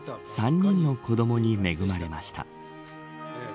３人の子どもに恵まれました。